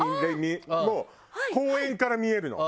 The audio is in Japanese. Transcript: もう公園から見えるの。